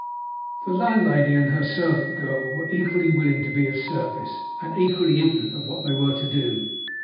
The landlady and her servant girl were equally willing to be of service, and equally ignorant of what they were to do.